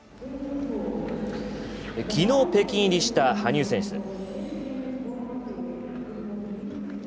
きのう、北京入りした羽生選手。